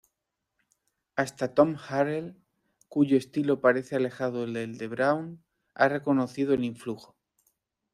Hasta Tom Harrell, cuyo estilo parece alejado del de Brown, ha reconocido el influjo.